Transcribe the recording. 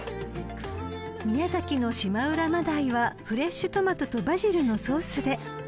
［宮崎のしまうら真鯛はフレッシュトマトとバジルのソースで］